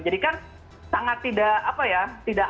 jadi kan sangat tidak